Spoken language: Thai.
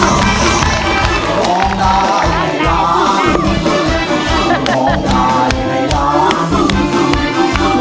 มีของได้ให้ล้างมีของได้ให้ล้าง